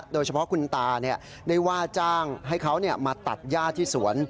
โดยเฉพาะคุณตาได้ว่าจ้างให้เขามาตัดย่าที่สวน